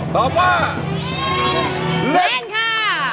ตอบว่าเล่นค่ะ